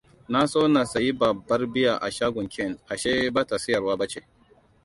Na so na sayi babbar bear a shagon Ken, ashe ba ta siyarwa bace.